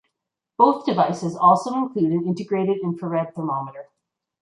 Both devices also include an integrated infrared thermometer.